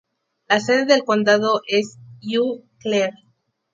La sede del condado es Eau Claire.